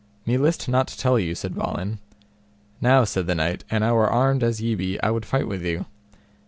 Me list not to tell you, said Balin. Now, said the knight, an I were armed as ye be I would fight with you.